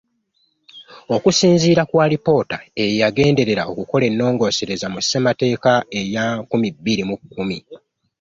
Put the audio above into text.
Okusinziira ku alipoota eyagenderera okukola ennongosereza mu Ssemateeka eya nkumi bbiri mu kkumi